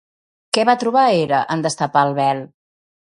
Què va trobar Hera en destapar el vel?